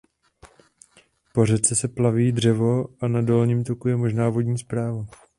Po řece se plaví dřevo a na dolním toku je možná vodní doprava.